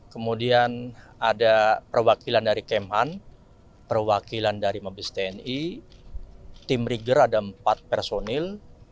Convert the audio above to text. kemudian ada perwakilan dari kemhan perwakilan dari mabes tni tim brigger ada empat personil